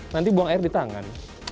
nanti buang air di tangan